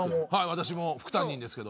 私も副担任ですけど。